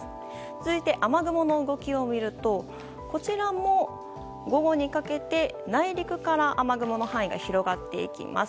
続いて、雨雲の動きを見るとこちらも午後にかけて内陸から雨雲の範囲が広がっていきます。